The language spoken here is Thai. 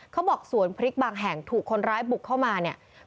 เขาบอกสวนพริกบางแห่งถูกคนร้ายบุกเข้ามาเนี่ย